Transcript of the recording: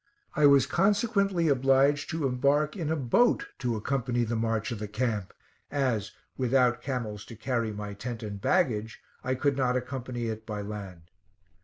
I was consequently obliged to embark in a boat to accompany the march of the camp as, without camels to carry my tent and baggage, I could not accompany it by land.